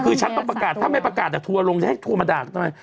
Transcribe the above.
คือฉันต้องประกาศถ้าไม่ประกาศจะทัวร์ลงจะให้โทรมาด่าเขาทำไม